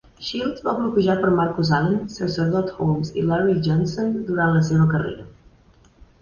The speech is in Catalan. Shields va bloquejar per Marcus Allen, sacerdot Holmes i Larry Johnson durant la seva carrera.